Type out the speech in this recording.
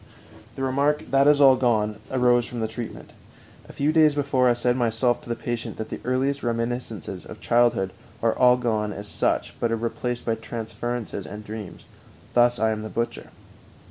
"_ The remark "That is all gone" arose from the treatment. A few days before I said myself to the patient that the earliest reminiscences of childhood are all gone as such, but are replaced by transferences and dreams. Thus I am the butcher.